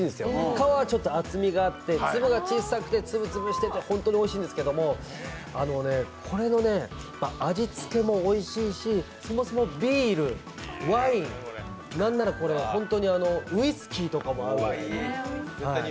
皮はちょっと厚みがあって、粒が粒々してて本当においしいんですけどこれの味付けもおいしいし、そもそもビール、ワイン、何ならウイスキーとかも合う。